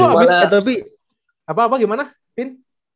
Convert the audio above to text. terus lu abis itu tapi apa gimana vin